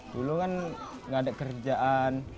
dulu kan nggak ada kerjaan